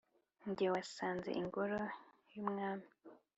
ge wasanze ingoro y’umwami